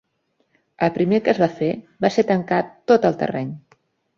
El primer que es va fer va ser tancar tot el terreny.